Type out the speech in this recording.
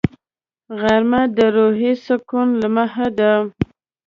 غرمه د روحي سکون لمحه ده